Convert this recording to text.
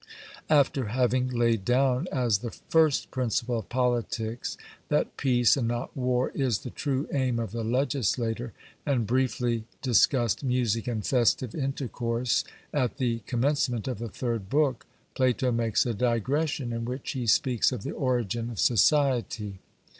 After having laid down as the first principle of politics, that peace, and not war, is the true aim of the legislator, and briefly discussed music and festive intercourse, at the commencement of the third book Plato makes a digression, in which he speaks of the origin of society.